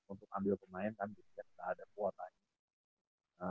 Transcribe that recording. untuk ambil pemain kan jika gak ada kuota ya